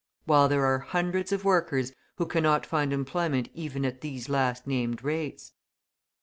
while there are hundreds of workers who cannot find employment even at these last named rates.